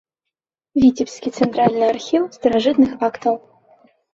Віцебскі цэнтральны архіў старажытных актаў.